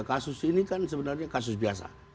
kasus ini kan sebenarnya kasus biasa